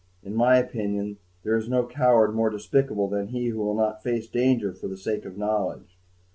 In my opinion, there is no coward more despicable than he who will not face danger for the sake of knowledge.